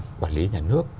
cơ quan quản lý nhà nước